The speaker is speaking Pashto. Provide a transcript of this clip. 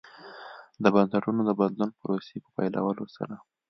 د بنسټونو د بدلون پروسې په پیلولو سره.